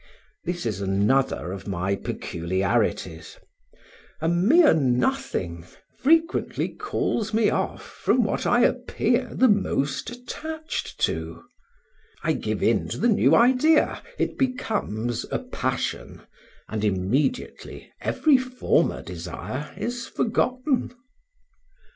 This is another of my peculiarities; a mere nothing frequently calls me off from what I appear the most attached to; I give in to the new idea; it becomes a passion, and immediately every former desire is forgotten.